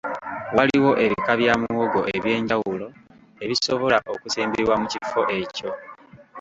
Waliwo ebika bya muwogo eby'enjawulo ebisobola okusimbibwa mu kifo ekyo.